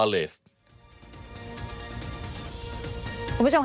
รับรับรับ